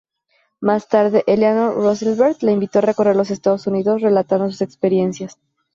Más tarde, Eleanor Roosevelt la invitó a recorrer los Estados Unidos relatando sus experiencias.